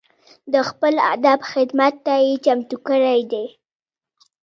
د خپل ادب خدمت ته یې چمتو کړي دي.